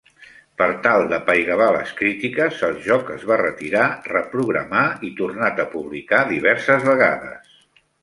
Per tal d'apaivagar les crítiques, el joc es va retirar, reprogramar i tornat a publicar diverses vegades.